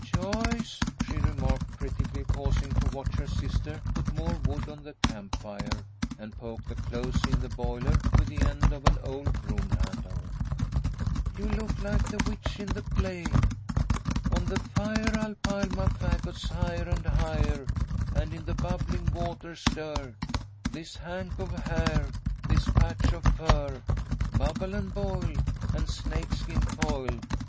"Joyce," she remarked, critically, pausing to watch her sister put more wood on the camp fire and poke the clothes in the boiler with the end of an old broom handle, "you look like the witch in the play: "'On the fire I'll pile my faggots higher and higher, And in the bubbling water stir This hank of hair, this patch of fur. Bubble and boil, and snake skin coil!